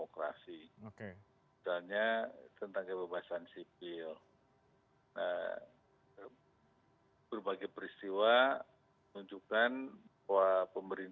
prosesnya kita ini kan baru